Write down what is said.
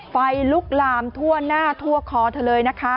ไฟลุกลามทั่วหน้าทั่วคอเธอเลยนะคะ